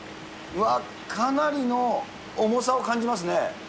うわ、かなりの重さを感じますね。